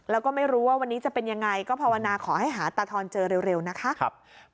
แล้วก็ไม่รู้ว่าวันนี้จะเป็นยังไงก็ภาวนาขอให้หาตาทอนเจอเร็วนะคะ